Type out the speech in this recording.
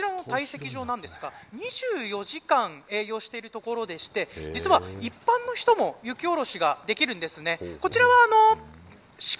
そして、実はこちらの堆積場なんですが２４時間営業している所でして実は、一般の人も雪おろしができるんです。